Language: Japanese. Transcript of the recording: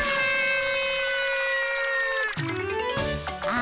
あ！